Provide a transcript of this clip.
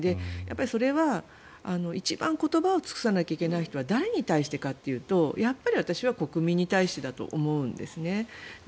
それは、一番言葉を尽くさなきゃいけない人は誰に対してかというとやっぱり私は国民に対してだと思うんですね。